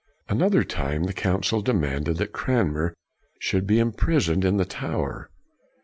Another time, the Council demanded that Cranmer should be imprisoned in the Tower.